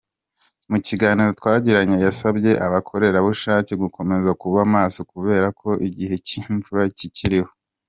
Mu kiganiro twagiranye yasabye abakorerabushake gukomeza kuba maso kubera ko igihe cy’imvura kikiriho.